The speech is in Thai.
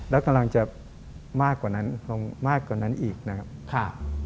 แล้วกำลังจะมากกว่านั้นอีกนะครับ